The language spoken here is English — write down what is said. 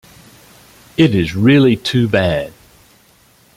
It is really too bad!